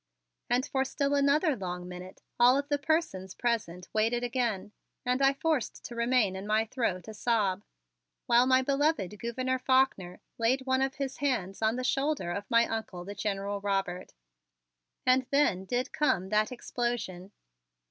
And for still another long minute all of the persons present waited again and I forced to remain in my throat a sob, while my beloved Gouverneur Faulkner laid one of his hands on the shoulder of my Uncle, the General Robert. And then did come that explosion!